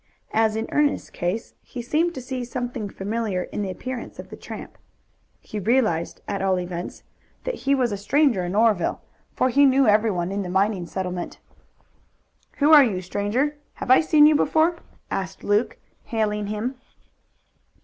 As in Ernest's case, he seemed to see something familiar in the appearance of the tramp. He realized, at all events, that he was a stranger in Oreville, for he knew everyone in the mining settlement. "Who are you, stranger? Have I seen you before?" asked Luke, hailing him.